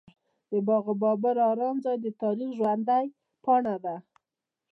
د باغ بابر ارام ځای د تاریخ ژوندۍ پاڼه ده.